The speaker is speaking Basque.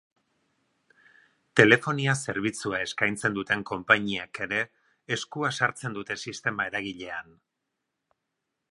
Telefonia zerbitzua eskaintzen duten konpainiek ere, eskua sartzen dute sistema eragilean.